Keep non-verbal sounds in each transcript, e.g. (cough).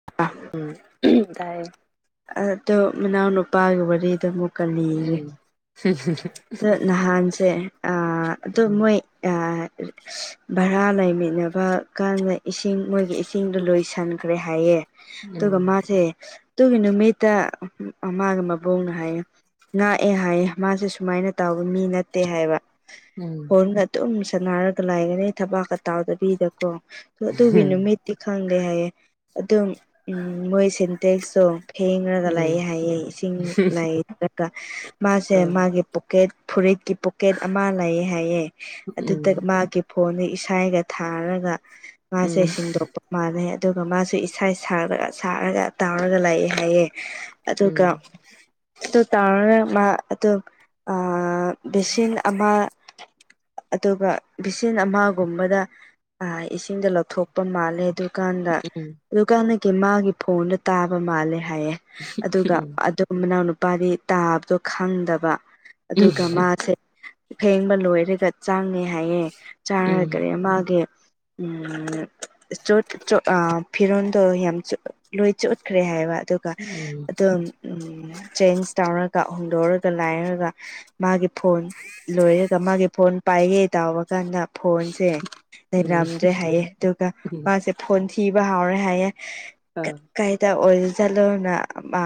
(unintelligible) ꯎꯝ ꯇꯥꯏꯌꯦ ꯑꯗꯣ ꯃꯅꯥꯎ ꯅꯨꯄꯥꯒꯤ ꯋꯥꯔꯤꯗꯣ ꯑꯃꯨꯛ ꯎꯝ ꯑꯗꯣ ꯅꯍꯥꯟꯁꯦ ꯑꯥ ꯑꯗꯣ ꯃꯣꯏ ꯑꯥ, ꯚꯔꯥ ꯂꯩꯃꯤꯟꯅꯕ ꯀꯥꯟꯗ ꯏꯁꯤꯡ ꯃꯣꯏꯒꯤ ꯏꯁꯤꯡꯗꯣ ꯂꯣꯏꯁꯟꯈ꯭ꯔꯦ ꯍꯥꯏꯌꯦ꯫ ꯑꯗꯨꯒ ꯃꯥꯁꯦ, ꯑꯗꯨꯒꯤ ꯅꯨꯃꯤꯠꯇ ꯃꯥꯒꯤ ꯃꯕꯨꯡꯅ ꯍꯥꯏꯌꯦ ꯉꯥꯛꯑꯦ ꯍꯥꯏꯌꯦ ꯃꯥꯁꯦ ꯁꯨꯃꯥꯏꯅ ꯇꯧꯕ ꯃꯤ ꯅꯠꯇꯦ ꯍꯥꯏꯕ ꯑꯗꯨꯝ ꯁꯅꯔꯒ ꯂꯥꯏꯒꯅꯤ ꯊꯕꯥꯛꯀ ꯇꯥꯎꯗꯕꯤꯗꯀꯣ ꯑꯗꯨꯒꯤ ꯅꯨꯃꯤꯠ ꯇꯤ ꯈꯪꯗꯦ ꯍꯥꯏꯌꯦ ꯑꯗꯨꯝ ꯃꯣꯏ ꯁꯦꯟꯇꯦꯛꯁꯇꯣ, ꯐꯦꯡꯔꯒ ꯂꯥꯛꯑꯦ ꯍꯥꯏꯌꯦ ꯏꯁꯤꯡ ꯂꯩꯇ꯭ꯔꯥꯒ ꯃꯥꯁꯦ ꯃꯥꯒꯤ ꯄꯣꯀꯦꯠ ꯐꯨꯔꯤꯠꯀꯤ ꯄꯣꯀꯦꯠ ꯑꯃ ꯂꯩꯌꯦ ꯍꯥꯏꯌꯦ ꯑꯗꯨꯗ ꯃꯥꯒꯤ ꯐꯣꯟꯗ ꯏꯁꯩꯒ ꯊꯥꯔꯒ ꯃꯁꯦ ꯁꯦꯡꯗꯣꯛꯄ ꯃꯥꯟꯅꯩ ꯑꯗꯨꯒ ꯃꯥꯁꯦ ꯏꯁꯩ ꯁꯛꯔꯒ ꯁꯛꯔꯒ ꯇꯥꯎꯔꯒ ꯂꯥꯛꯑꯦ ꯍꯥꯏꯌꯦ, ꯑꯗꯨꯒ ꯑꯗꯨ ꯇꯧꯔꯒ ꯃꯥ ꯑꯗꯨꯝ ꯑꯥ, ꯚꯦꯁꯤꯟ ꯑꯃ ꯑꯗꯨꯒ ꯚꯦꯁꯤꯟ ꯑꯃꯒꯨꯝꯕꯗ, ꯏꯁꯤꯡꯗꯣ ꯂꯧꯊꯣꯛꯄ ꯃꯥꯜꯂꯦ ꯑꯗꯨꯀꯥꯟꯗ, ꯎꯝ ꯑꯗꯨꯀꯥꯟꯗꯒꯤ ꯃꯥꯒꯤ ꯐꯣꯟꯗ ꯇꯥꯕ ꯃꯥꯜꯂꯦ ꯍꯥꯏꯌꯦ ꯑꯗꯨꯒ ꯑꯗꯨꯝ ꯃꯅꯥꯎ ꯅꯨꯄꯥꯗꯤ ꯇꯥꯕꯗꯣ ꯈꯪꯗꯕ ꯑꯗꯨꯒ ꯃꯥꯁꯦ ꯐꯦꯡꯕ ꯂꯣꯏꯔꯒ ꯆꯪꯉꯦ ꯍꯥꯏꯌꯦ ꯆꯥꯔꯒ ꯎꯝ ꯀꯔꯤ ꯃꯥꯒꯤ ꯎꯝ ꯆꯣꯠ ꯆꯣꯠ ꯑ ꯐꯤꯔꯣꯟꯗ ꯌꯥꯝ ꯆꯣꯠ ꯂꯣꯏ ꯆꯣꯠꯈ꯭ꯔꯦ ꯍꯥꯏꯕ ꯑꯗꯨꯒ ꯑꯗꯨꯝ ꯆꯦꯟꯁ ꯇꯧꯔꯒ ꯍꯣꯡꯗꯣꯛꯔꯒ ꯂꯥꯛꯑꯦꯒ ꯃꯥꯒꯤ ꯐꯣꯟ ꯂꯣꯏꯔꯒ ꯃꯥꯒꯤ ꯐꯣꯟ ꯄꯥꯏꯒꯦ ꯇꯥꯎꯕ ꯀꯥꯟꯗ ꯐꯣꯟꯁꯦ ꯎꯝ ꯂꯩꯔꯝꯗ꯭ꯔꯦ ꯍꯥꯏꯌꯦ ꯑꯗꯨꯒ ꯎꯝ ꯃꯥꯁꯦ ꯐꯣꯟ ꯊꯤꯕ ꯍꯥꯎꯔꯦ ꯍꯥꯏꯌꯦ ꯀꯥꯏꯗ ꯑꯣꯏꯔ ꯆꯠꯂꯣꯅ ꯃꯥ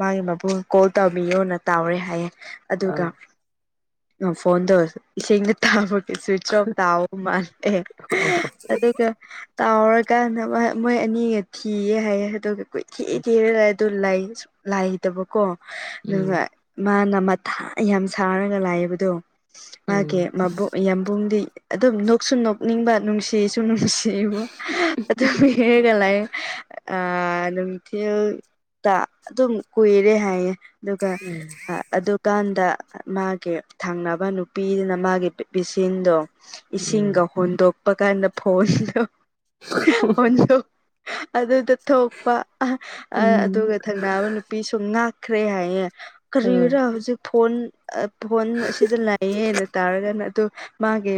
ꯃꯥꯒꯤ ꯃꯕꯨꯡ ꯀꯣꯜ ꯇꯧꯕꯤꯌꯣꯅ ꯇꯧꯔꯦ ꯍꯥꯏꯌꯦ ꯑꯗꯨꯒ ꯑꯥ ꯑ ꯐꯣꯟꯗꯣ ꯏꯁꯤꯡꯗ ꯇꯥꯕꯒꯤ ꯁ꯭ꯋꯤꯠꯆ ꯑꯣꯐ ꯇꯥꯕ ꯃꯥꯜꯂꯦ ꯑꯥ ꯎꯝ ꯑꯗꯨꯒ ꯇꯥꯎꯔꯀꯥꯟꯗ ꯃꯣꯏ ꯑꯅꯤꯒ ꯊꯤꯌꯦ ꯍꯥꯏꯌꯦ ꯑꯗꯨꯒ ꯀꯣꯏꯊꯤ ꯊꯤꯔꯒ ꯑꯗꯨ ꯂꯩ ꯂꯩꯇꯕꯀꯣ ꯑꯗꯨꯒ ꯎꯝ ꯃꯥꯅ ꯃꯠ ꯍꯥ ꯌꯥꯝ ꯁꯥꯔꯒ ꯂꯩꯕꯗꯣ ꯎꯝ ꯃꯥꯒꯤ ꯃꯕꯨ ꯌꯥꯝꯕꯨꯡꯗꯤ ꯑꯗꯨꯝ ꯅꯣꯛꯁꯨ ꯅꯣꯛꯅꯤꯡꯕ ꯅꯨꯡꯁꯤꯁꯨ ꯅꯨꯡꯁꯤꯕ ꯑꯗꯨꯒꯤ ꯍꯦꯛꯑꯒ ꯂꯩ ꯑꯥ ꯅꯨꯡꯊꯤꯜ ꯇ ꯑꯗꯨꯝ ꯀꯨꯏꯔꯦ ꯍꯥꯏꯌꯦ ꯑꯗꯨꯒ ꯎꯝ ꯑ ꯑꯗꯨꯝ ꯀꯥꯟꯗ ꯃꯥꯒꯤ ꯊꯪꯅꯕ ꯅꯨꯄꯤꯗꯨꯅ ꯃꯥꯒꯤ ꯄꯤꯁꯤꯟꯗꯣ ꯏꯁꯤꯡꯒ ꯍꯣꯟꯗꯣꯛꯄ ꯀꯥꯟꯗ ꯐꯣꯟꯗꯣ (unintelligible) ꯑꯗꯨꯗ ꯊꯣꯛꯄ ꯑ ꯑꯥ ꯑꯗꯨꯒ ꯊꯪ ꯅꯥꯕ ꯅꯨꯄꯤꯁꯨ ꯉꯥꯛꯈ꯭ꯔꯦ ꯍꯥꯏꯌꯦ ꯀꯔꯤꯔꯥ ꯍꯧꯖꯤꯛ ꯐꯣꯟ ꯑ ꯐꯣꯟ ꯑꯁꯤꯗ ꯂꯩꯌꯦꯅ ꯇꯥꯔꯒꯅ ꯑꯗꯨ ꯃꯥꯒꯤ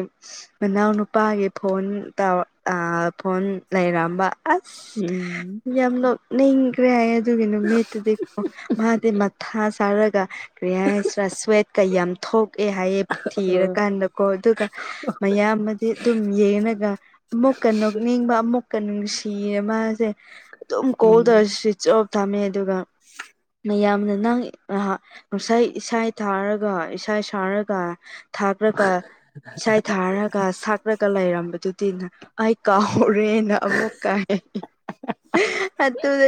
ꯃꯅꯥꯎ ꯅꯨꯄꯥꯒꯤ ꯐꯣꯟ ꯇꯧ ꯑꯥ ꯐꯣꯟ ꯂꯩꯔꯝꯕ ꯑꯁ ꯎꯝ ꯌꯥꯝꯅ ꯅꯣꯛꯅꯤꯡꯒꯔꯦ ꯍꯥꯏꯌꯦ ꯑꯗꯨꯒꯤ ꯅꯨꯃꯤꯠꯇꯨꯗꯤꯀꯣ ꯃꯥꯗꯤ ꯃꯊꯥ ꯁꯥꯔꯒ ꯀꯔꯤ ꯍꯥꯏꯔꯁꯤꯔꯥ ꯁ꯭ꯋꯦꯠꯀ ꯌꯥꯝ ꯊꯣꯛꯑꯦ ꯍꯥꯏꯌꯦ ꯑꯥ ꯊꯤꯔꯀꯥꯟꯗꯀꯣ ꯑꯗꯨꯒ ꯃꯌꯥꯝꯕꯗꯤ ꯑꯗꯨꯝ ꯌꯦꯡꯉꯒ ꯑꯃꯨꯛꯀ ꯅꯣꯛꯅꯤꯡꯕ ꯑꯃꯨꯛꯀ ꯅꯨꯡꯁꯤꯌꯦ ꯃꯥꯖꯦ ꯑꯗꯨꯝ ꯎꯝ ꯀꯣꯜ ꯇꯧꯔ ꯁ꯭ꯋꯤꯆ ꯑꯣꯐ ꯇꯝꯃꯦ ꯑꯗꯨꯒ ꯃꯌꯥꯝꯅ ꯅꯪ ꯉꯍꯥꯛ ꯉꯁꯥꯏ ꯏꯁꯩ ꯊꯥꯔꯒ ꯏꯁꯩ ꯁꯥꯔꯒ ꯊꯥꯞꯔꯒ ꯏꯁꯩ ꯊꯥꯔꯒ ꯁꯛ ꯔꯀ ꯂꯩꯔꯝꯕꯗꯨꯗꯤ ꯅ ꯑꯩ ꯀꯥꯎꯔꯦꯅ ꯑꯃꯨꯛꯀ ꯍꯥꯏ ꯑꯗꯨꯗ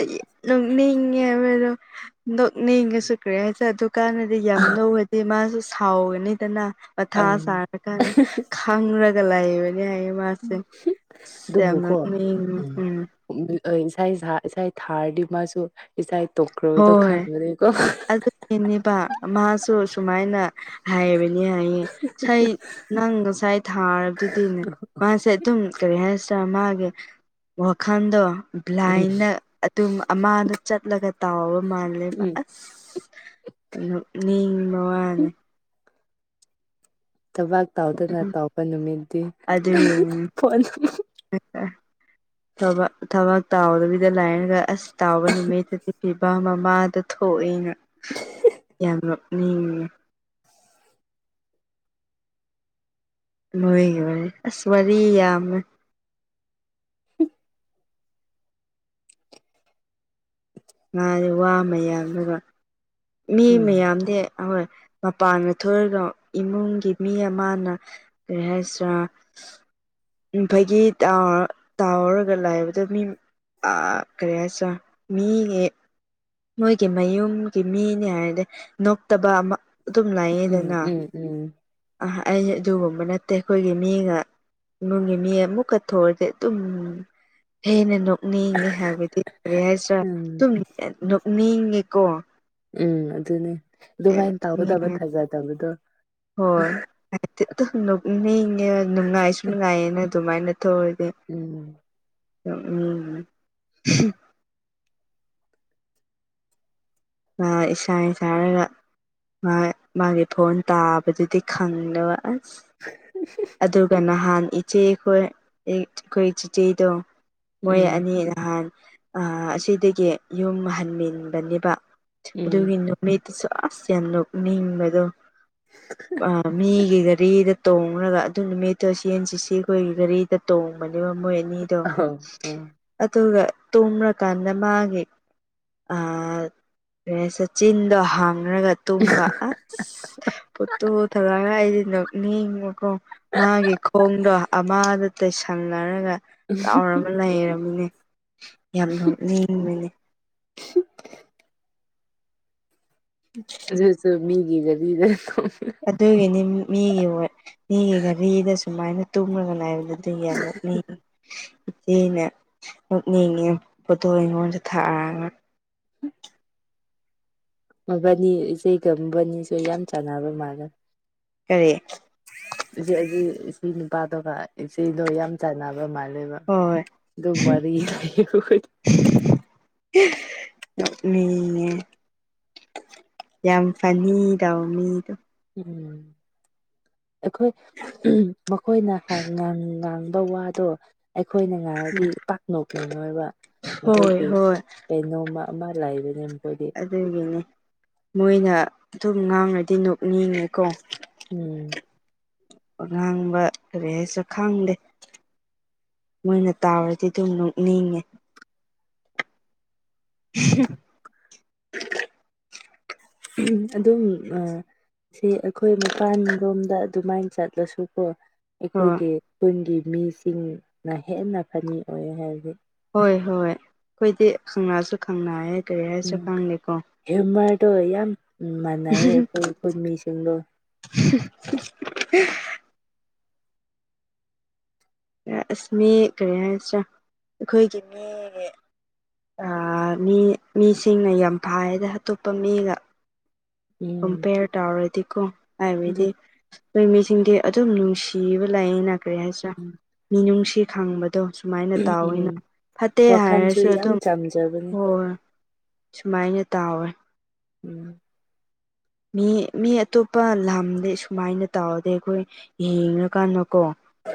ꯅꯣꯛꯅꯤꯡꯉꯦ ꯍꯥꯏꯕꯗꯣ ꯅꯣꯛꯅꯤꯡꯉꯁꯨ ꯀꯔꯤ ꯍꯥꯏꯁꯦ ꯑꯗꯨꯀꯥꯟꯗꯗꯤ ꯌꯥꯝ ꯅꯣꯛꯑꯗꯤ ꯃꯥꯖꯨ ꯁꯥꯎꯒꯅꯤꯗꯅ ꯃꯊꯥ ꯑꯪ ꯁꯥꯔꯀꯥꯟꯗ ꯈꯪꯔꯒ ꯂꯩꯕꯅꯦ ꯍꯥꯏꯌꯦ ꯃꯥꯥꯁꯦ ꯌꯥꯝ ꯑꯗꯨꯕꯨꯀꯣ ꯅꯣꯛꯅꯤꯡꯉꯦ ꯎꯝ (unintelligible) ꯏꯁꯩ ꯊꯥꯔꯗꯤ ꯃꯥꯁꯨ ꯏꯁꯩ ꯇꯣꯛꯀ꯭ꯔꯣꯗꯣ ꯈꯪꯒꯅꯤꯀꯣ ꯏꯅꯦꯕ ꯃꯥꯁꯨ ꯁꯨꯃꯥꯏꯅ ꯍꯥꯏꯕꯅꯤ ꯍꯥꯏꯌꯦ ꯏꯁꯩ ꯅꯪ ꯉꯁꯥꯏ ꯊꯥꯔꯕꯗꯨꯗꯤꯅꯦ ꯃꯥꯁꯦ ꯑꯗꯨꯝ ꯀꯔꯤ ꯍꯥꯏꯁꯤ ꯃꯥꯒꯤ ꯋꯥꯈꯜꯗꯣ ꯕ꯭ꯂꯥꯏꯟꯗ ꯑꯗꯨꯝ ꯑꯃꯗ ꯆꯠꯂꯒ ꯇꯧꯔ ꯃꯥꯜꯂꯦꯕ ꯎꯝ ꯑꯁ ꯅꯣꯛꯅꯤꯡꯕ ꯋꯥꯅꯦ ꯊꯕꯛ ꯇꯧꯗꯅ ꯇꯧꯕ ꯅꯨꯃꯤꯠꯇꯤ ꯑꯗꯨꯒꯤ ꯐꯣꯟ ꯊꯕꯛ ꯊꯕꯛ ꯇꯧꯗꯕꯤꯗ ꯂꯩꯔꯒ ꯑꯁ ꯇꯧꯕ ꯅꯨꯃꯤꯠꯇꯨꯗꯤ ꯄꯤꯕ ꯃꯃꯥꯗꯨ ꯊꯣꯛꯑꯦꯅ ꯌꯥꯝ ꯅꯣꯛꯅꯤꯡꯉꯦ ꯃꯣꯏꯒꯤ ꯋꯥꯔꯤ ꯑꯁ ꯋꯥꯔꯤ ꯌꯥꯝꯃꯦ ꯉꯥꯏꯔꯦ ꯋꯥ ꯃꯌꯥꯝꯗꯨꯒ ꯃꯤ ꯎꯝ ꯃꯌꯥꯝꯗꯤ ꯍꯣꯏ ꯃꯄꯥꯟꯗ ꯊꯣꯛꯑꯒ ꯏꯃꯨꯡꯒꯤ ꯃꯤ ꯑꯃꯅ ꯀꯔꯤ ꯍꯥꯏꯁꯤꯔꯥ ꯎꯝ ꯐꯒꯤ ꯇꯥꯎ ꯇꯥꯎꯔꯒ ꯂꯩꯕꯗ ꯃꯤ ꯑꯥ ꯀꯔꯤ ꯍꯥꯏꯁꯤꯔ ꯃꯤꯒꯤ ꯃꯣꯏꯒꯤ ꯃꯌꯨꯝꯒꯤ ꯃꯤꯅꯤ ꯍꯥꯏꯔꯗꯤ ꯅꯣꯛꯇꯕ ꯑꯃ ꯑꯗꯨꯝ ꯎꯝ ꯂꯩꯌꯦꯗꯅ ꯎꯝ ꯎꯝ ꯑ ꯑꯩ ꯑꯗꯨꯒꯨꯝꯕ ꯅꯠꯇꯦ ꯑꯩꯈꯣꯏꯒꯤ ꯃꯤꯒ ꯏꯃꯨꯡꯒꯤ ꯃꯤ ꯑꯃꯨꯛꯀ ꯊꯣꯛꯑꯗꯤ ꯑꯗꯨꯝ ꯍꯦꯟꯅ ꯅꯣꯛꯅꯤꯡꯉꯦ ꯍꯥꯏꯕꯗꯤ ꯀꯔꯤ ꯍꯥꯏꯁꯤꯔꯥ ꯎꯝ ꯑꯗꯨꯝ ꯅꯣꯛꯅꯤꯡꯉꯦꯀꯣ ꯎꯝ ꯑꯗꯨꯅꯤ ꯑꯗꯨꯃꯥꯏꯅ ꯇꯧꯒꯗꯕ ꯊꯥꯖꯗꯕꯗꯣ ꯑꯩꯗꯤ ꯗꯨꯝ ꯅꯣꯛꯅꯤꯡꯉꯦ ꯅꯨꯡꯉꯥꯏꯁꯨ ꯅꯨꯡꯉꯥꯏꯌꯦꯅ ꯑꯗꯨꯃꯥꯏꯅ ꯇꯧꯔꯗꯤ ꯎꯝ ꯅꯣꯛꯅꯤꯡꯉꯤ (inaudible) ꯍꫭꯏ ꯏꯁꯥꯏ ꯁꯥꯔꯒ ꯍꯣꯏ ꯃꯥꯒꯤ ꯐꯣꯟ ꯇꯥꯕꯗꯨꯗꯤ ꯈꯪꯗꯕ ꯑꯁ (unintelligible) ꯑꯗꯨꯒ ꯅꯍꯥꯟ ꯏꯆꯦ ꯈꯣꯏ ꯑꯩ ꯈꯣꯏ ꯆꯤꯆꯦꯗꯣ ꯃꯣꯏ ꯎꯝ ꯑꯅꯤ ꯅꯍꯥꯟ ꯑ ꯑꯁꯤꯗꯒꯤ ꯌꯨꯝ ꯍꯟꯃꯤꯟꯕꯅꯦꯕ ꯎꯝ ꯑꯗꯨꯒꯤ ꯅꯨꯃꯤꯠꯇꯁꯨ ꯑꯁ ꯌꯥꯝ ꯅꯣꯛꯅꯤꯡꯕꯗꯣ ꯑ ꯃꯤꯒꯤ ꯒꯥꯔꯤꯗ ꯇꯣꯡꯔꯒ ꯑꯗꯨ ꯅꯨꯃꯤꯠꯇꯣ ꯁꯤ ꯑꯦꯟꯁꯤꯁꯤ ꯈꯣꯏꯒꯤ ꯒꯥꯔꯤꯗ ꯇꯣꯡꯕꯅꯦꯕ ꯃꯣꯏ ꯃꯤꯗꯣ ꯑꯧ ꯑꯥ ꯑꯗꯨꯒ ꯇꯣꯡꯔꯀꯥꯟꯗ ꯃꯥꯒꯤ ꯔꯦꯁ ꯆꯤꯟꯗꯣ ꯍꯥꯡꯔꯒ ꯇꯨꯝꯕ ꯑ ꯐꯣꯠꯇꯣ ꯊꯥꯔꯛꯑꫭ ꯍꯥꯏꯔꯒ ꯑꯩꯗꯤ ꯅꯣꯛ ꯅꯤꯡꯕꯀꯣ ꯃꯥꯒꯤ ꯈꯣꯡꯗꯣ ꯑꯃꯗ ꯇꯩꯁꯟꯅꯔꯒ ꯇꯥꯎꯔꯝ ꯂꯩꯔꯝꯅꯦ ꯌꯥꯝ ꯅꯣꯛꯅꯤꯡꯕꯅꯦ (inaudible) ꯑꯗꯨꯖꯨ ꯃꯤꯒꯤ ꯒꯥꯔꯤꯗꯣ ꯇꯣꯡꯔ ꯑꯗꯨꯒꯤꯅꯤ ꯃꯤꯒꯤ ꯃꯤꯒꯤ ꯒꯔꯤꯗ ꯁꯨꯃꯥꯏꯅ ꯇꯨꯝꯂꯒ ꯂꯩꯕꯗꯨ ꯑꯗꯨꯏ ꯌꯥꯝ ꯅꯣꯛꯅꯤꯡꯉꯤ ꯏꯆꯦꯅ ꯅꯣꯛꯅꯤꯡꯉꯦ ꯐꯣꯇꯣ ꯑꯩꯉꯣꯟꯗ ꯊꯥꯔꯥꯑ ꯃꯕꯥꯅꯤ ꯏꯆꯦꯒ ꯃꯕꯅꯤꯁꯦ ꯌꯥꯝ ꯆꯥꯟꯅꯕ ꯃꯥꯜꯂꯦ ꯀꯔꯤ ꯏꯆꯦ ꯑꯩꯗꯤ ꯏꯆꯦ ꯅꯨꯄꯥꯗꯣꯒ ꯏꯆꯦꯗꯣ ꯌꯥꯝ ꯆꯥꯟꯅꯕ ꯕ ꯃꯥꯂꯦꯕ ꯍꯣꯏ ꯑꯗꯨꯝ ꯋꯥꯔꯤ ꯂꯩꯌꯦꯕ ꯑꯩꯈꯣꯏ ꯅꯣꯛꯅꯤꯡꯉꯦ ꯌꯥꯝ ꯐꯟꯅꯤꯗꯧ ꯃꯤꯗꯣ ꯎꯝ ꯑꯩꯈꯣꯏ ꯃꯈꯣꯏꯅ ꯉꯥꯡ ꯉꯥꯡꯕ ꯋꯥꯗꯣ ꯑꯩꯈꯣꯏꯅ ꯉꯥꯡꯔꯗꯤ ꯄꯥꯛ ꯅꯣꯛꯅꯤꯡꯉꯣꯏꯕ ꯍꯣꯏ ꯃꯈꯣꯏꯒꯤ ꯍꯣꯏ ꯀꯩꯅꯣꯝꯃ ꯑꯃ ꯂꯩꯕꯅꯦ ꯃꯈꯣꯏꯗꯤ ꯑꯗꯨꯒꯤꯅꯦ ꯃꯣꯏꯅ ꯑꯗꯨꯝ ꯉꯥꯡꯔꯗꯤ ꯅꯣꯛꯅꯤꯡꯉꯦꯀꯣ ꯎꯝ ꯋꯥ ꯉꯥꯡꯕ ꯀꯔꯤ ꯍꯥꯏꯁꯤꯔ ꯈꯪꯗꯦ ꯃꯣꯏꯅ ꯇꯥꯎꯔꯗꯤ ꯑꯗꯨꯝ ꯅꯣꯛꯅꯤꯡꯉꯦ (unintelligible) ꯎꯍꯨꯝ ꯑꯗꯨꯝ ꯑ ꯁꯤ ꯑꯩꯈꯣꯏ ꯃꯄꯥꯟ ꯔꯣꯝꯗ ꯑꯗꯨꯃꯥꯏꯅ ꯆꯠꯂꯁꯨ ꯀꯣ ꯍꯣꯏ ꯑꯩꯈꯣꯏꯒꯤ ꯈꯨꯟꯒꯤ ꯃꯤꯁꯤꯡꯅ ꯍꯦꯟꯅ ꯐꯟꯅꯤ ꯑꯣꯏ ꯍꯥꯏꯕꯗꯤ ꯍꯣꯏ ꯍꯣꯏ ꯑꯩꯈꯣꯏꯗꯤ ꯈꯪꯅꯁꯨ ꯈꯪꯅꯩꯌꯦ ꯀꯔꯤ ꯍꯥꯏꯁꯤꯔ ꯎꯝ ꯈꯪꯗꯦꯀꯣ ꯍ꯭ꯌꯨꯃꯔꯗꯣ ꯌꯥꯝ ꯃꯥꯟꯅꯩꯌꯦ ꯑꯩꯈꯣꯏ ꯈꯨꯟ ꯃꯤꯁꯤꯡꯗꯣ (unintelligible) ꯑꯁ ꯃꯤ ꯀꯔꯤ ꯍꯥꯏꯁꯤꯔꯥ ꯑꯩꯈꯣꯏꯒꯤ ꯃꯤ ꯑꯥ ꯃꯤ ꯃꯤꯁꯤꯡꯅ ꯌꯥꯝ ꯐꯥꯏꯗ ꯑꯇꯣꯞꯄ ꯃꯤꯒ ꯎꯝ ꯀꯝꯄꯦꯌꯔ ꯇꯧꯔꯗꯤꯀꯣ ꯑꯗꯨ ꯍꯥꯏꯕꯩꯗꯤ ꯅꯣꯏ ꯃꯤꯁꯤꯡꯗꯤ ꯑꯗꯨꯝ ꯅꯨꯡꯁꯤꯕ ꯂꯩꯅ ꯀꯔꯤ ꯍꯥꯏꯁꯤꯔꯥ ꯎꯝ ꯃꯤꯅꯨꯡꯁꯤ ꯈꯪꯕ ꯇꯣ ꯁꯨꯃꯥꯏꯅ ꯇꯥꯎꯋꯤꯅ ꯎꯝ ꯐꯠꯇꯦ ꯋꯥꯈꯜꯁꯨ ꯍꯥꯏꯔꯁꯨ ꯌꯥꯝ ꯑꯗꯨꯝ ꯆꯝꯖꯕꯅꯤ ꯍꯣꯏ ꯁꯨꯃꯥꯏꯅ ꯇꯥꯎꯋꯦ ꯎꯝ ꯃꯤ ꯃꯤ ꯑꯇꯣꯞꯄ ꯂꯥꯝꯗꯤ ꯁꯨꯃꯥꯏꯅ ꯇꯥꯎꯗꯦ ꯑꯩꯈꯣꯏ ꯌꯦꯡꯔꯀꯥꯟꯗꯀꯣ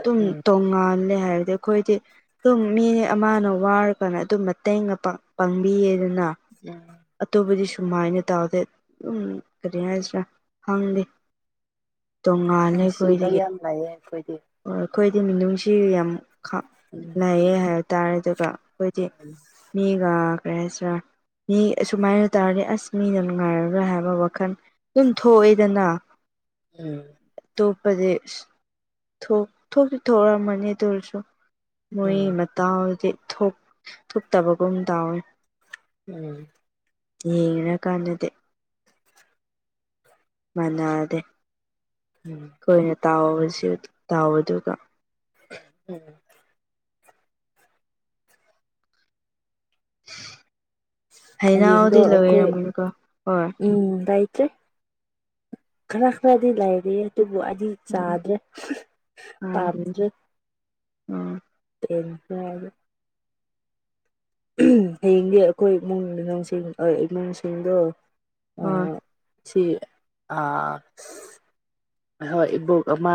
ꯇꯨꯝ ꯎꯝ ꯇꯣꯡꯉꯥꯜꯂꯦ ꯍꯥꯏꯕꯗꯤ ꯑ ꯈꯣꯏꯗꯤ ꯇꯨꯝ ꯃꯤ ꯑꯃꯅ ꯋꯥꯔ ꯀꯥꯟꯗ ꯑꯗꯨꯝ ꯃꯇꯦꯡꯒ ꯄꯥꯡ ꯄꯥꯡꯕꯤꯌꯦꯗꯅ ꯎꯝ ꯑꯇꯣꯞꯄꯗꯤ ꯁꯨꯃꯥꯏꯅ ꯇꯥꯎꯗꯦ ꯑꯗꯨꯝ ꯀꯔꯤ ꯍꯥꯏꯁꯤꯔꯥ ꯈꯪꯗꯦ ꯇꯣꯡꯉꯥꯜꯂꯦ ꯅꯨꯡꯁꯤꯕ ꯌꯥꯝ ꯂꯩꯌꯦ ꯑꯩꯈꯣꯏꯗꯤ ꯑꯣ ꯑꯩꯈꯣꯏꯗꯤ ꯃꯤꯅꯨꯡꯁꯤ ꯌꯥꯝ ꯈ ꯎꯝ ꯂꯩꯌꯦ ꯍꯥꯏꯕꯇꯥꯥꯔꯦ ꯑꯗꯨꯒ ꯈꯣꯏꯗꯤ ꯑꯩꯁ ꯃꯤꯒ ꯀꯔꯤ ꯍꯥꯏꯁꯤꯔꯥ ꯃꯤ ꯑꯁꯨꯃꯥꯏꯅ ꯇꯧꯔꯗꯤ ꯑꯁ ꯃꯤꯅ ꯅꯨꯡꯉꯥꯏꯔꯔꯣꯏ ꯍꯥꯏꯕ ꯋꯥꯈꯜ ꯇꯨꯝ ꯊꯣꯛꯑꯦꯗꯅ ꯎꯝ ꯇꯣꯞꯄꯗꯤ ꯏꯁ ꯊꯣ ꯊꯣꯛꯇꯤ ꯊꯣꯔꯝꯃꯅꯤ ꯑꯇꯨ ꯑꯣꯏꯔꯁꯨ ꯃꯣꯏ ꯎꯝ ꯃꯠ ꯇꯥꯎꯗꯤ ꯊꯣꯛ ꯊꯨꯞꯇꯕꯒꯨꯝ ꯇꯥꯎꯋꯦ ꯎꯝ ꯌꯦꯡꯔꯀꯥꯟꯗꯗꯤ ꯃꯥꯟꯅꯗꯦ ꯎꯝ ꯈꯣꯏꯅ ꯇꯥꯎꯕꯁꯤ ꯇꯥꯎꯕꯗꯨꯒ ꯎꯝ ꯍꯌꯦꯡꯗꯣ ꯍꯩꯅꯧꯗꯤ ꯑꯈꯣꯏ ꯂꯣꯏꯔꯝꯃꯅꯤꯀꯣ ꯍꯣꯏ ꯎꯝ ꯂꯩꯇ꯭ꯔꯦ ꯈꯔ ꯈꯔꯗꯤ ꯂꯩꯔꯤꯌꯦ ꯑꯗꯨꯕꯨ ꯑꯩꯗꯤ ꯎꯝ ꯆꯥꯗ꯭ꯔꯦ ꯎꯝ ꯄꯥꯝꯗ꯭ꯔꯦ ꯎꯝ ꯇꯦꯟ ꯈꯔꯖꯨ ꯎꯝ ꯍꯌꯦꯡꯗꯤ ꯑꯈꯣꯏ ꯏꯃꯨꯡ ꯃꯅꯨꯡꯁꯤꯡ ꯑꯩ ꯏꯃꯨꯡꯁꯤꯡꯗꯣ ꯍꯣꯏ ꯑꯥ ꯁꯤ ꯑꯥ ꯍꯣꯏ ꯍꯣꯏ ꯏꯕꯣꯛ ꯑꯃ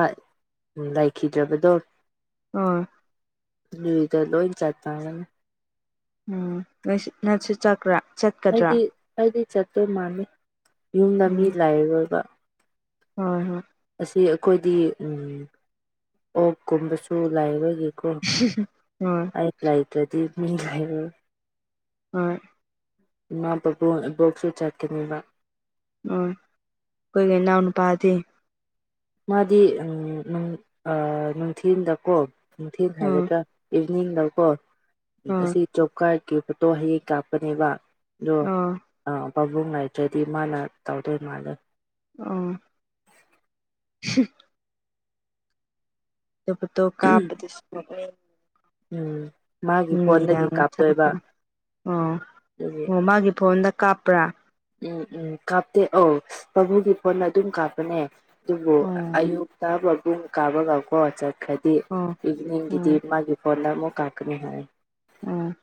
ꯂꯩꯈꯤꯗ꯭ꯔꯕꯗꯣ ꯅꯣꯏ ꯂꯨꯏꯒ ꯂꯣꯏ ꯆꯠꯈꯥꯏꯔꯅꯤ ꯎꯝ ꯅꯣꯏꯁꯨ ꯅꯪꯁꯨ ꯆꯀ꯭ꯔꯥ ꯑꯩꯗꯤ ꯑꯩꯗꯤ ꯆꯠꯇꯣꯏ ꯃꯥꯥꯟꯂꯦ ꯌꯨꯝꯗ ꯃꯤ ꯎꯝ ꯂꯩꯔꯣꯏꯕ ꯍꯣꯏ ꯍꯣꯏ ꯑꯁꯤ ꯑꯈꯣꯏꯗꯤ ꯎꯝ ꯑꯣꯛꯀꯨꯝꯕꯁꯨ ꯂꯥꯏꯕꯒꯤꯀꯣ ꯉꯣꯏ ꯑꯩ ꯂꯩꯇ꯭ꯔꯥꯗꯤ ꯃꯤ ꯂꯩꯔꯣꯏ ꯍꯣꯏ ꯏꯃꯥ ꯕꯕꯨꯟ ꯏꯕꯣꯛꯁꯨ ꯆꯠꯀꯅꯤꯕ ꯎꯝ ꯈꯣꯏꯒꯤ ꯏꯅꯥꯎꯅꯨꯄꯥꯗꯤ ꯃꯥꯗꯤ ꯎꯝ ꯅꯨꯡ ꯑ ꯅꯨꯡꯊꯤꯟꯗꯀꯣ ꯅꯨꯡꯊꯤꯟ ꯎꯝ ꯍꯥꯏꯒꯗ꯭ꯔꯥ ꯏꯚꯤꯟꯗꯀꯣ ꯎꯝ ꯑꯁꯤ ꯖꯣꯕ ꯀ꯭ꯥꯔ꯭ꯠꯀꯤ ꯐꯣꯇꯣ ꯍꯌꯦꯡ ꯀꯥꯞꯀꯅꯤꯕ ꯗꯣ ꯑꯣ ꯑ ꯄꯥꯕꯨꯡ ꯉꯥꯏꯇꯗ꯭ꯔꯗꯤ ꯃꯥꯅ ꯇꯧꯗꯣꯏ ꯃꯥꯜꯂꯦ ꯑꯣ ꯄꯨꯇꯣ ꯀꯥꯞꯄꯗ (unintelligible) ꯎꯝ ꯃꯥꯒꯤ ꯃꯤ ꯐꯣꯟꯗꯒꯤ ꯃꯌꯥꯝ ꯀꯥꯞꯇꯣꯏꯕ (unintelligible) ꯑꯣ ꯑꯗꯨꯒꯤ ꯑꯣ ꯃꯥꯒꯤ ꯐꯣꯟꯗ ꯀꯥꯞꯄ꯭ꯔꯥ ꯎꯝ ꯎꯝ ꯀꯥꯞꯇꯦ ꯑꯧ ꯄꯥꯕꯨꯡꯒꯤ ꯐꯣꯟꯅ ꯑꯗꯨꯝ ꯀꯥꯞꯄꯅꯦ ꯗꯨꯕꯨ ꯑ ꯑꯣ ꯑꯌꯨꯛ ꯇ ꯕꯕꯨꯡ ꯀꯥꯕꯒꯀꯣ ꯆꯠꯈ꯭ꯔꯗꯤ ꯑꯣ ꯏꯕꯤꯅꯤꯡꯒꯤꯗꯤ ꯑꯣ ꯃꯥꯒꯤ ꯐꯣꯟꯗ ꯑꯃꯨꯛ ꯀꯥꯞꯀꯅꯤ ꯍꯥꯏꯌꯦ ꯎꯝ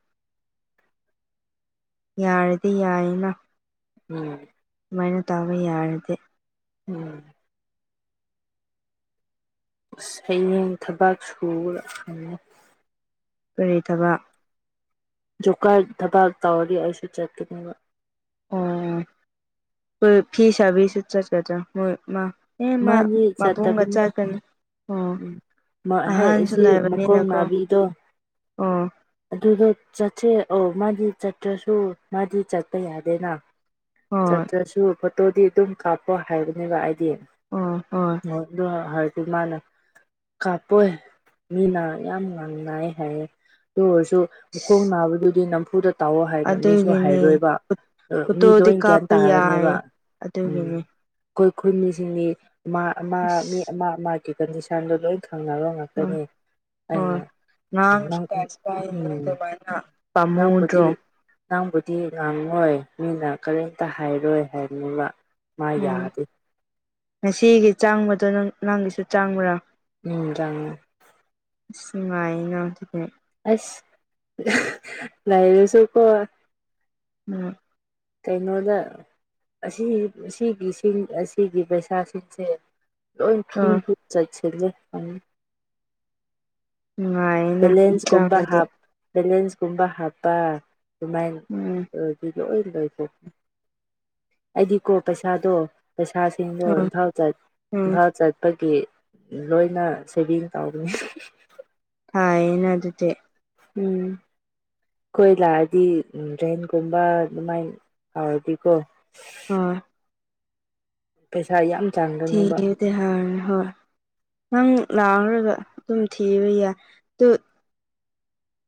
ꯌꯥꯔꯗꯤ ꯌꯥꯏꯌꯦꯅ ꯎꯝ ꯑꯃꯥꯏꯅ ꯇꯥꯕ ꯌꯥꯔꯗꯤ ꯎꯝ ꯑꯁ ꯍꯌꯦꯡ ꯊꯕꯥꯛ ꯁꯨꯔꯒ ꯂꯩꯅꯤ ꯀꯔꯤ ꯊꯕꯛ ꯖꯣꯀꯥꯠ ꯊꯕꯛ ꯇꯧꯔꯤꯗꯤ ꯑꯩꯁꯨ ꯆꯠꯀꯅꯤꯕ ꯑꯣ ꯑꯩꯈꯣꯏ ꯐꯤ ꯁꯥꯕꯤꯁꯨ ꯆꯠꯀꯗ꯭ꯔꯥ ꯃꯣꯏ ꯃꯥ ꯑꯦꯃ ꯃꯥꯗꯤ ꯃꯕꯨꯡꯒ ꯆꯠꯇꯕꯅꯦ ꯆꯥꯀꯅꯤ ꯑꯣ ꯎꯝ ꯃꯥ ꯍꯦꯛ ꯑꯍꯥꯟꯁꯨ ꯑꯁꯤ ꯃꯈꯣꯡ ꯂꯩꯥꯏꯕꯅꯤꯅꯀꯣ ꯅꯥꯕꯤꯗꯣ ꯑꯣ ꯑꯗꯨꯗꯣ ꯆꯠꯁꯦ ꯑꯣ ꯃꯥꯗꯤ ꯆꯠꯇ꯭ꯔꯁꯨ ꯃꯥꯗꯤ ꯆꯠꯄ ꯌꯥꯗꯦꯅ ꯍꯣꯏ ꯆꯠꯇ꯭ꯔꯁꯨ ꯐꯣꯇꯣꯗꯤ ꯑꯗꯨꯝ ꯀꯥꯞꯄ ꯍꯥꯏꯕꯅꯦꯕ ꯑꯩꯗꯤ ꯑꯣ ꯍꯣꯏ ꯍꯣꯏ ꯗꯨ ꯍꯥꯏ ꯍꯥꯏꯔꯗꯤ ꯃꯥꯅ ꯀꯥꯞꯄꯣꯏ ꯃꯤꯅ ꯌꯥꯝ ꯉꯥꯡꯅꯩ ꯍꯥꯏꯌꯦ ꯑꯗꯨ ꯑꯣꯏꯔꯁꯨ ꯃꯈꯣꯡ ꯅꯥꯕꯗꯨꯗꯤ ꯅꯝꯐꯨꯗ ꯇꯧꯔꯣ ꯍꯥꯏꯅ ꯃꯤꯁꯨ ꯑꯗꯨꯒꯤꯅꯦ ꯍꯥꯏꯔꯣꯏꯕ ꯃꯤꯗꯣ ꯑꯩꯅ ꯒ꯭ꯌꯥꯟ ꯇꯥꯔꯅꯦꯕ ꯑꯗꯨꯒꯤꯅꯤ ꯈꯣꯏ ꯈꯣꯏ ꯃꯤꯁꯤꯡꯗꯤ ꯑꯃ ꯑꯃ ꯃꯤ ꯑꯁ ꯑꯃ ꯑꯃꯒꯤ ꯀꯟꯗꯤꯁꯟꯗꯣ ꯂꯣꯏ ꯈꯪꯅꯕ ꯆꯥꯛ ꯎꯝ ꯒ‍꯭ꯔꯅꯤ ꯑꯩꯅ‌ ꯍꯣꯏ (unintelligible) ꯉꯥꯡꯁꯨ ꯀꯥꯏꯁꯨ ꯀꯥꯏ ꯑꯗꯨꯃꯥꯏꯅ ꯑꯩꯕꯨꯗꯤ ꯄꯥꯝꯃꯨꯗ꯭ꯔꯣ ꯅꯪꯕꯨꯗꯤ ꯉꯥꯡꯉꯣꯏ ꯃꯤꯅ ꯀꯔꯤꯝꯇ ꯍꯥꯏꯔꯣꯏ ꯍꯥꯏꯕꯅꯤꯕ ꯃꯥ ꯎꯝ ꯌꯥꯗꯦ ꯉꯁꯤꯒꯤ ꯆꯥꯡꯕꯗꯣ ꯅꯪ ꯅꯪꯒꯤꯁꯨ ꯆꯥꯡꯕ꯭ꯔꯥ ꯎꯝ ꯗ꯭ꯔꯉꯥ ꯅꯨꯉꯥꯏꯅ ꯑꯗꯨꯒ ꯑꯁ ꯂꯩꯔꯁꯨ ꯀꯣ ꯎꯝ ꯀꯩꯅꯣꯗ ꯑꯁꯤ ꯑꯁꯤꯒꯤꯁꯤꯡ ꯑꯁꯤꯒꯤ ꯄꯩꯁꯥꯁꯤꯡꯁꯦ ꯂꯣꯏ ꯊꯨꯟ ꯑꯥ ꯊꯨꯠ (unintelligible) ꯅꯨꯡꯉꯥꯏ ꯕꯦꯂꯦꯟꯁ ꯀꯨꯝꯕ ꯍꯥꯞ ꯕꯦꯂꯦꯟꯁ ꯀꯨꯝꯕ ꯍꯥꯞꯄ ꯑꯗꯨꯃꯥꯏꯟ ꯎꯝ ꯑꯗꯨꯏꯗꯣ (unintelligible) ꯂꯣꯏꯊꯣꯛ ꯑꯩꯗꯤꯀꯣ ꯄꯩꯁꯥꯗꯣ ꯄꯩꯁꯥꯁꯤꯡꯗꯣ ꯎꯝ ꯏꯝꯐꯥꯜ ꯆꯠ ꯎꯝ ꯏꯝꯐꯥꯜ ꯆꯠꯄꯒꯤ ꯂꯣꯏꯅ ꯁꯦꯚꯤꯡ ꯇꯧꯅꯤ ꯐꯩꯅ ꯑꯗꯨꯗꯤ ꯎꯝ ꯑꯩꯈꯣꯏ ꯂꯥꯛꯑꯗꯤ ꯗ꯭ꯔꯦꯟꯒꯨꯝꯕ ꯑꯗꯨꯃꯥꯏꯟ ꯍꯥꯎꯔꯗꯤꯀꯣ ꯑꯥ ꯄꯩꯁꯥ ꯌꯥꯝ ꯆꯥꯡꯒꯅꯦꯕ ꯊꯤꯗꯤ (unintelligible) ꯍꯣꯏ ꯅꯪ ꯂꯥꯛꯔꯒ ꯑꯗꯨꯝ ꯊꯤꯕ ꯌꯥꯏ ꯇꯨꯠ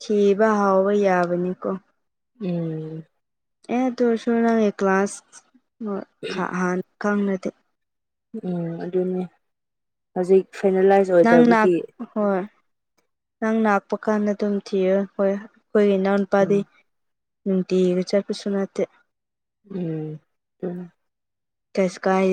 ꯊꯤꯕ ꯍꯧꯕ ꯌꯥꯕꯅꯤꯀꯣ ꯎꯝ ꯑꯦ ꯑꯗꯨ ꯑꯣꯏꯔꯁꯨ ꯅꯪꯒꯤ ꯀ꯭ꯂꯥꯁ ꯅꯣꯠ ꯈꯥ ꯍꯥꯟ ꯈꯪꯂꯗꯤ ꯎꯝ ꯑꯗꯨꯅꯤ ꯍꯧꯖꯤꯛ ꯐꯥꯏꯅꯦꯂꯥꯏꯁ ꯅꯪ ꯅꯛ ꯑꯣꯏꯗꯕꯒꯤ ꯍꯣꯏ ꯅꯪ ꯂꯥꯛꯄ ꯀꯥꯟꯗ ꯑꯗꯨꯝ ꯊꯤꯌꯨ ꯍꯣꯏ ꯑꯩꯈꯣꯏꯒꯤ ꯅꯪ ꯎꯝ ꯄꯥꯗꯤ ꯅꯨꯡꯇꯤꯒꯤ ꯆꯠꯄꯁꯨ ꯅꯠꯇꯦ ꯎꯝ (unintelligible) ꯀꯩꯁꯨ ꯀꯥꯏ